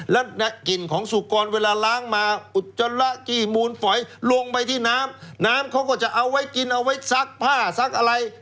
และกลิ่นของสุกรเวลาล้างมาลงไปที่น้ำน้ำเขาก็จะเอาไว้กินเอาไว้ซักผ้าซักอะไร